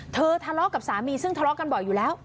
ทะเลาะกับสามีซึ่งทะเลาะกันบ่อยอยู่แล้ว